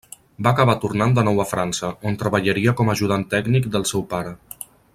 Va acabar tornant de nou a França, on treballaria com ajudant tècnic del seu pare.